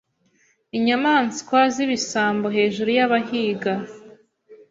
inyamanswa zibisambo hejuru yabahiga